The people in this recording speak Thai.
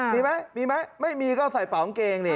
มีไหมมีไหมไม่มีก็ใส่เป๋องเกงนี่